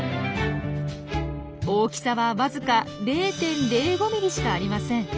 大きさはわずか０．０５ｍｍしかありません。